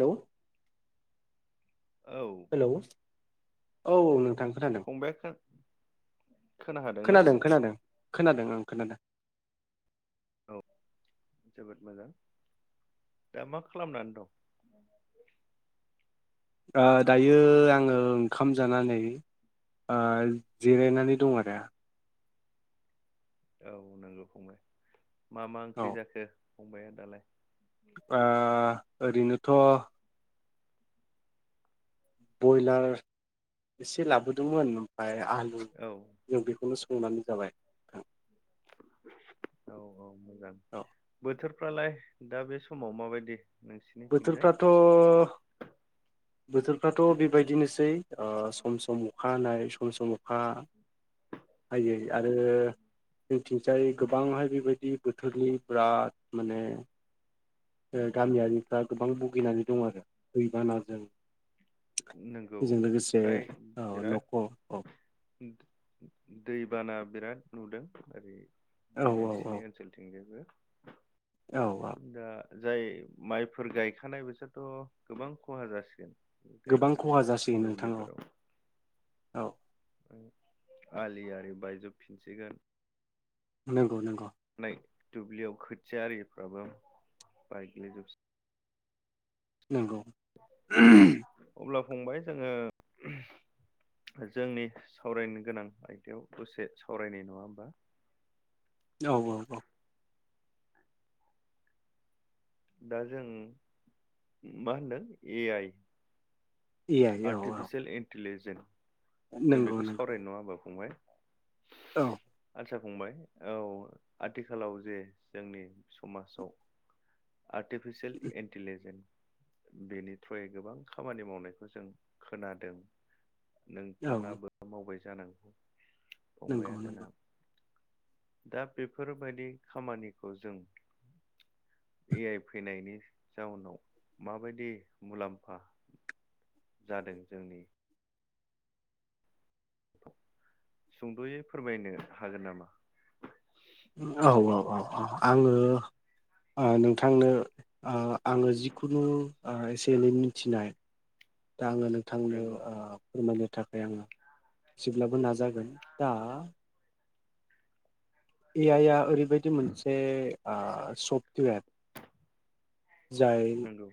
हेल' औ हेल' औ नों फंबाइ [unintelligible] खोना हादोंना खोनादों खोनादों खोनादों ओं खोनादों औ जोबोद मोजां दा मा खालामनानै दं [unintelligible] आ दायो आङो ओंखाम जानानै ओ जिरायनानै दं आरो औ नंगौ फंबाय मा मा औ ओंख्रि जाखो फंबाया दालाय आ ओरैनोथ' बयलार एसे लाबोदोंमोन ओमफाय आलु औ जों बेखौनो स संनानै जाबाय औ-औ मोजां औ बोथोरफ्रालाय दा बे समाव माबायदि नोंसिनिथिंजाय बोथोरफ्राथ' बोथोरफ्राथ' बेबायदिनोसै ओ सम सम अखा हानाय सम सम अखा हायै आरो जोंथिंसाय गोबांहाय बेबायदि बोथोरनि बिराद माने ओ गामियारिफ्रा गोबां भुगिनानै दं आरो दैबानाजों नंगौ बेजों लोगोसे फ्राय ओ बिराद न'खर दैबाना बिराद नुदों ओरै औ बे औ औ नोंसिनि ओनसोलथिं औ औ जायबो दा जाय माइफोर गायखानाय बिसोरथ' गोबां खहा जासिगोन गोबां खहा गायखानाय जासिगोन नोंथां औ दुब्लिफोराव औ आलि आरि बायजोबफिनसिगोन नंगौ नंगौ नै दुब्लियाव खोथिया ओरिफ्राबो बाइग्लिजोबस नंगौ अब्ला फंबाय जोङो जोंनि सावरायनो गोनां आयदायाव दसे सावरायनि नङा होम्बा औ औ-औ दा जों मा होनदों ए आइ ए आइ औ औ आर्टिफिसियेल इन्टिलिजेन जों नंगौ बेखौ नंगौ सावराय नङा होमा फंबाय औ आचसा फंबाय औ आथिखालाव जे जोंनि समाजाव। आर्टिफिसियेल इन्टिलिजेन बेनि थ्रयै गोबां खामानि मावनायखौ जों खोनादों औ नोंथाङाबो मावबाय जानांगौ फंबाया नंगौ नंगौ जोंना दा बेफोरबायदि खामानिखौ जों ए आइ फैनायनि जाउनाव माबायदि मुलाम्फा जादों जोंनि सुंद'यै फोरमायनो हागोन नामा औ औ आङो ओ नोंथांनो ओ आङो जिखुनु ओ एसे एनै मिथिनाय दा आङो नोंथांनो नंगौ ओ फोरमायनो थाखाय आङो एसेब्लाबो नाजागोन दा ए आइ आ ओरैबायदि मोनसे सफ्टवेर जाय नंगौ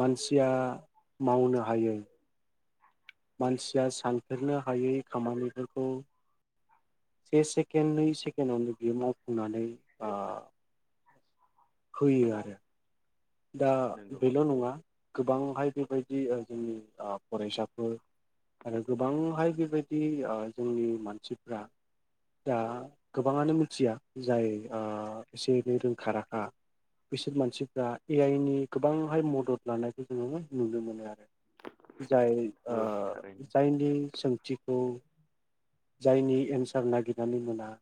मानसिया मावनो हायै मानसिया सानफेरनो हायै खामानिफोरखौ से सेकेण्ड नै सेकेण्डआवनो बियो मावफुंनानै ओ होयो आरो दा नंगौ बेल' नङा गोबांहाय बेबायदि ओ जोंनि ओ फरायसाफोर आरो गोबांहाय बेबायदि ओ जोंनि मानसिफ्रा दा गोबाङानो मिथिया जाय ओ एसे एनै रोंखा राखा बिसोर मानसिफ्रा ए आइ नि गोबांहाय मदद लानायखौ जोङो नुनो मोनो आरो जाय ओ औ थारैनो जायनि सोंथिखौ जायनि एन्सार नागिरनानै मोना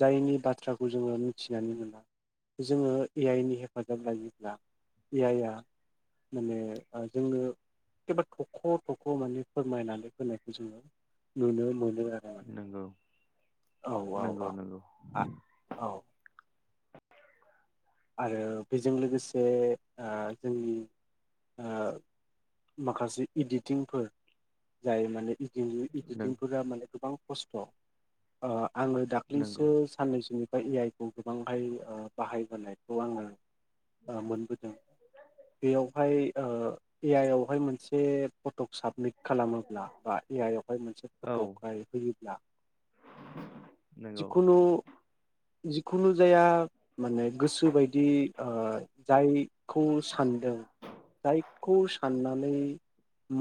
जायनि बाथ्राखौ जोङो मिथिनानै मोना जोङो ए आइ नि हेफाजाब लायोब्ला ए आइआ माने जोङो एबा थख' थख' माने फोरमायनानै होनायखौ जोङो नुनो मोनो आरो माने नंगौ औ औ नंगौ औ नंगौ आ औ आरो बेजों लोगोसे ओ जोंनि ओ माखासे इदिटिंफोर जाय माने नों इदिटिंफोरा माने गोबां खस्थ' ओ आङो दाख्लैसो नंगौ साननैसोनि बा ए आइ खौ गोबांहाय बाहायबोनायखौ आङो ओ मोनबोदों बेयावहाय ओ ए आइ आवहाय मोनसे फटक साबमिट खालामोब्ला बा ए आइ आवहाय मोनसे फट' औ होयोब्ला नंगौ जिखुनु जिखुनु जाया माने गोसो बायदि ओ जायखौ सानदों जायखौ साननानै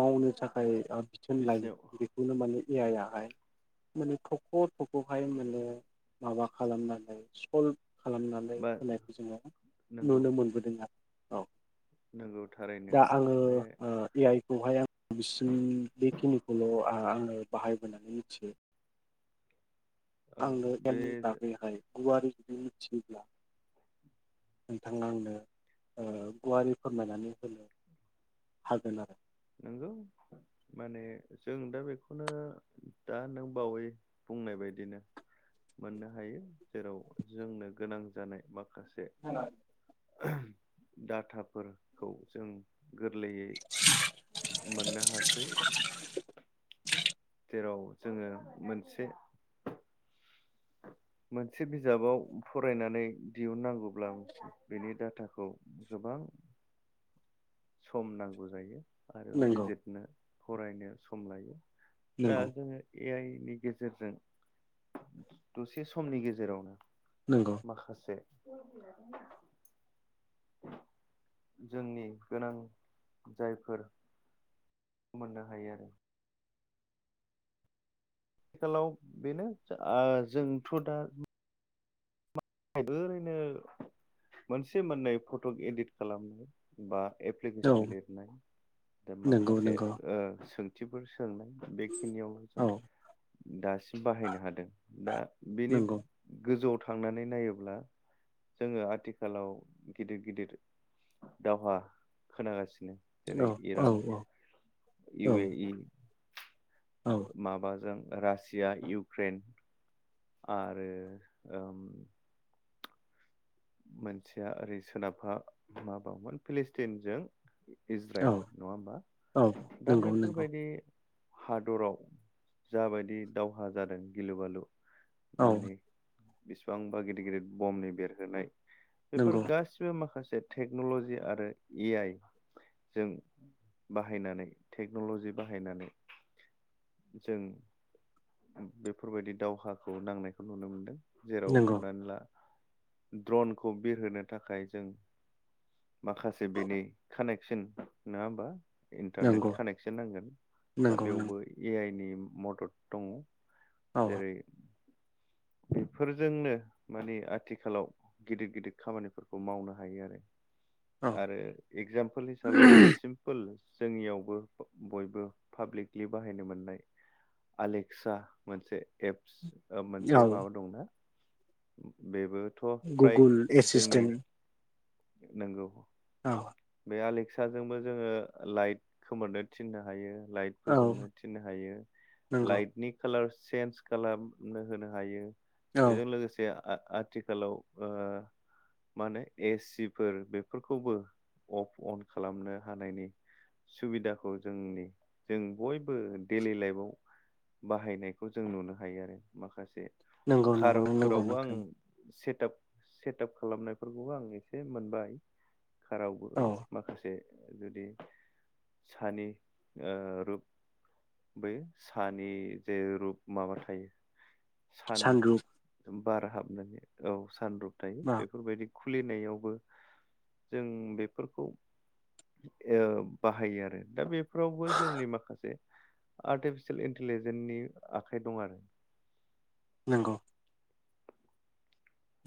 मावनो थाखाय ओ बिथोन लायो बिसिनियाव बेखौनो माने ए आइ आहाय माने थख' थख'हाय माने माबा खालामनानै सल्भ खालामनानै बा होनायखौ जोङो नंगौ नुनो मोनबोदों आरो औ नंगौ थारैनो दा आङो बे ओ ए आइ बेखौहाय आं बिसिम बेखिनिखौल' आङो बाहायबोनानै मिथियो औ आंनो बे एलनि बागैहाय गुवारै जुदि मिथियोब्ला नोंथांङा आंनो ओ गुवारै फोरमायनानै होनो? हागोन आरो। नंगौ। माने जों दा बेखौनो दा नों बावै बुंनाय बायदिनो मोननो हायो जेराव जोंनो गोनां जानाय मा ओ डाटाफोरखौ जों गोरलैयै मोननो हासै। जेराव जोङो मोनसे मोनसे बिजाबाव फरायनानै दिहुननांगौब्ला बेनि डाटाखौ गोबां गोबां सम नांगौ जायो। आरो नंगौ बिजिरनो फरायनो सम लायो, दा नंगौ जोङो ए आइ नि गेजेरजों दसे समनि गेजेरावनो नंगौ माखासे जोंनि गोनां जायफोर मोननो हायो आरो। आथिखालाव बेनो आह जोंथ' दा ओरैनो मोनसे मोननै फट' इदिट खालामनाय बा औ एप्लिकेसन लिरनाय दा नंगौ माखासे नंगौ ओ सोंथिफोर सोंनाय बेखिनियावल जों औ दासिम बाहायनो हादों दा बेनि नंगौ गोजौआव थांनानै नायोब्ला जोङो आथिखालाव गिदिर गिदिर दावहा खोनागासिनो। औ जेरै औ इरान, इउ ए इ औ माबाजों रासिया, इउक्रेन आरो ओम मोनसेया ओरै सोनाबहा माबावमोन फिलिस्टिनजों औ इजराइल नङा होमबा औ दा नंगौ नंगौ बैफोरबायदि हादराव जाबायदि दावहा जादों गिलु बालु औ माने बिसेबांबा गिदिर गिदिर बम्बनि बेरहोनाय बेफोर नंगौ गासिबो माखासे टेक्न'ल'जि आरो ए आइ जों बाहायनानै टेक्नलजि बाहायनानै जों बेफोरबायदि दावहाखौ नांनायखौ नुनो मोनदों। जेराव नंगौ हमनानै ला द्र'नखौ बिरहोनो थाखाय जों माखासे बेनि कानेकसन नङा होमबा? इन्टारनेट नंगौ कानेक्सन नांगोन, दा नंगौ नों बेवबो ए आइ नि मदद दङ। औ जेरै बेफोरजोंनो माने आथिखालाव गिदिर गिदिर खामानिफोरखौ मावनो हायो आरो। औ आरो एक्जामपोल हिसाबै जों सिम्पोल जोंनियावबो बयबो पाब्लिकलि बाहायनो मोननाय आलेक्सा मोनसे एप्स मोनसे औ माबा दंना बेबो गुगोल एसिसटेनट नंगौ। बे आलेक्साजोंबो जोङो लाइट खोमोरनो थिननो हायो। लाइट औ फोजोंनो थिन्नो हायो नंगौ लाइटनि कालार चेन्ज खालामनो होनो हायो, औ बेजों लोगोसे आ-आथिखालाव ओ मा होनो ए सिफोर बेफोरखौबो अफ अन खालामनो हानायनि सुबिदाखौ जोंनि जों बयबो डेलि लाइफआव बाहायनायखौ जों नुनो हायो आरो माखासे नंगौ नंगौ नों नंगौ खार'फोरावबो आं नोंथां से सेटाप खालामनायफोरखौबो आं एसे मोनबाय कारावबो औ माखासे जुदि सानि ओ रुप बै सानि जे रुप माबा थायो सान सानरुप बार हाबनानै औ सान रुप थायो औ बेफोरबायदि खुलिनायावबो जों बेफोरखौ ओ बाहायो आरो दा बेफोरावबो जोंनि माखासे आर्टिफिसिल इन्टेलेजेननि आखाइ दं आरो नंगौ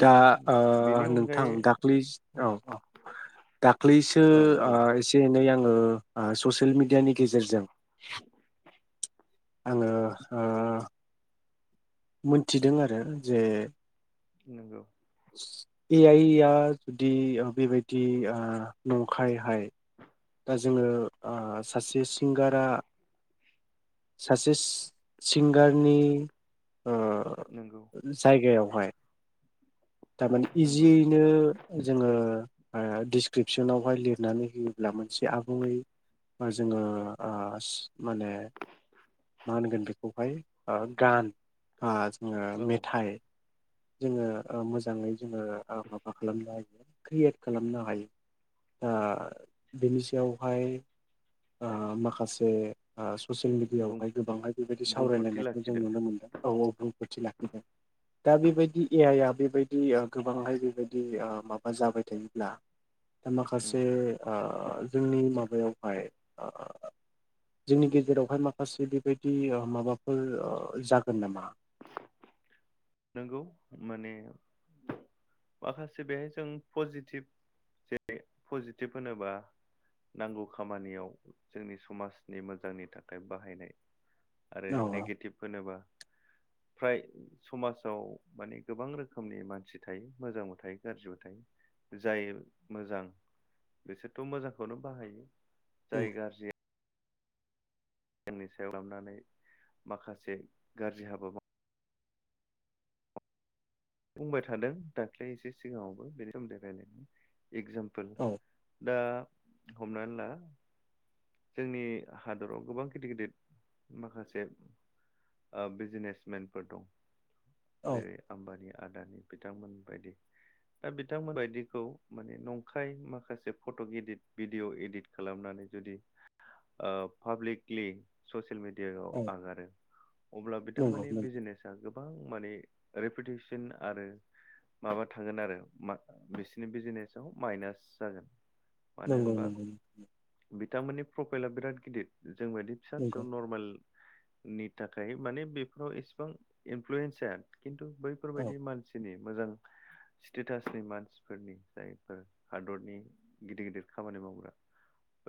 दा ओ बेनि नोंथां अनगायै दाख्लैस औ औ दाख्लैसो औ ओ बुं एसे एनै आङो ओ ससियेल मिडियानि गेजेरजों [inaudible] आङो ओ मोनथिदों आरो जे नंगौ ए आइ आइआ दि बेबायदि नंखायहाय दा जोङो ओ सासे सिंगारा सासे सिस सिंगारनि ओ नंगौ जायगायावहाय थारमाने नंगौ इजियैनो जोङो ओ डिसक्रिपसनावहाय लिरनानै होयोब्ला मोनसे आबुङै जोङो ओस माने मा होनगोन बेखौहाय ओ गान बा जोङो औ मेथाइ जोङो ओ मोजाङै जोङो ओ माबा खालामनो हायो क्रियेट खालामनो हायो। ओ बेनि सायावहाय ओ माखासे ओ ससियेल बुं मिडियाआवहाय गोबांहाय बेबायदि बुंफोरथि सावरायलायनायखौ जों लाखिदों नुनो मोनदों। औ औ रोंगौथि लाखिदों दा बेबायदि ए आइआ बेबायदि गोबांहाय बेबायदि ओ माबा जाबाय थायोब्ला दा उम माखासे ओ जोंनि माबायावहाय ओ जोंनि गेजेरावहाय माखासे बेबायदि ओ माबाफोर ओ जागोन नामा नोंगौ माने माखासे बेहाय जों पजिटिभ जे पजिटिभ होनोबा नांगौ खामानियाव जोंनि समाजनि मोजांनि थाखाय बाहायनाय। आरो औ नेगेटिभ होनोबा फ्राय समाज आव माने गोबां रोखोमनि मानसि थायो मोजांबो थायो गाज्रिबो थायो। जाय मोजां बिसोरथ' मोजांखौनो बाहायो। जाय गारजि जोंनि सायाव लानानै माखासे गाज्रि हाबा माव बुंबाय थादों दाख्लै एसे सिगाङावबो बेनि सोमोन्दै रायलायनो एकजामपोल औ दा हमनानै ला जोंनि हादराव गोबां गिदिर गिदिर माखासे ओ बिजनेसमेनफोर दं औ जेरै आम्बानिया दानि बिथांमोन बायदि दा बिथांमोन बायदिखौ माने नंखाय माखासे फट' इदिट, भिडिअ' इदित खालामनानै बेबादि पाब्लिकलि ससियेल मिडिया इयाव औ आगारो अब्ला नंगौ बिथांमोननि बिजनेसा गोबां मानेे रेपिथिस थिन आरो माबा थागोन आरो मा बिसिनि बिजिनेसआव माइनास जागोन। मानो नंगौ होनबा नंगौ। बिथांमोननि प्रफाइला बिराद गिदिर जोंबायादि फिसा फिसौ नंगौ नरमेल नि थाखाय माने बेफोराव इसेबां इनफ्लुयेन्स जाया खिन्थु औ बेफोरबायदि मानसिनि मोजां स्टेटासनि मानसिफोरनि जायफोर हादरनि गिदिर गिदिर खामानि मावग्रा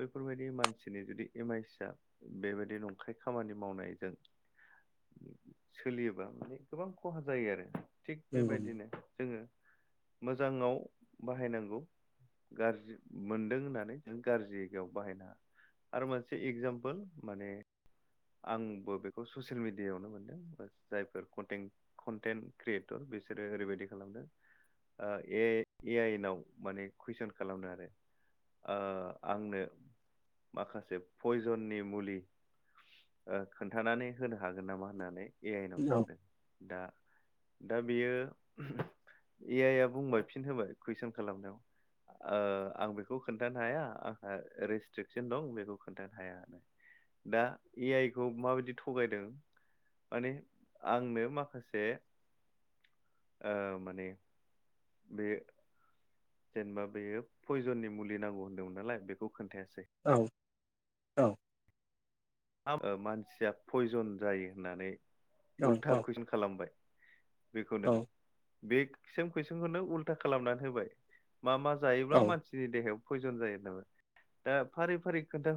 बैफोरबायदि मानसिनि जुदि एम आइ सि या बेबायदि नंखाय खामानि मावनायजों सोलियोबा माने गोबां खहा जायो आरो थिग नंगौ बेबायदिनो जोङो मोजाङाव बाहायनांगौ गाज्रि मोनदों होननानै जों गाज्रि आव बाहाय नाङा आरो मोनसे एगजामपोल माने आंबो बेखौ ससियेल मिडियाायावनो मोनदों जायफोर कन्टेन्ट कन्टेन्ट क्रियेटर बिसोरो ओरैबायदि खालामदों ओ ए आइ ए आइ नाव माने कुइसन खालामनो आरो ओ आंनो माखासे पयजननि मुलि ओ खोन्थानानै होनो हागोन नामा होननानै ए आइ नाव औ सोंदों दा दा बेयो ए आइ आ बुंबाय फिन होबाय कुइसन खालामनायाव ओ आं खौ खोन्थानो हाया आंहा रेस्ट्रिकसन दं बेखौ खोन्थानो हाया। दा ए आइ खौ माबायदि थगायदों माने आंनो माखासे ओ माने बे जेनेबा बेयो पयजननि मुलि नांगौ होनदोंमोन नालाय बेखौ खोन्थायासै। औ औ ओम मानसिया पयजन जायो होननानै उल्था औ कुइसन खालामबाय? बेखौनो औ बेसिम कुइसनखौनो उल्था खालामनानै होबाय मा मा जायोब्ला औ मानसिनि देहायाव पयजन जायो नामा दा फारि फारि खोनथा